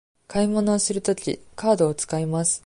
買い物をするとき、カードを使います。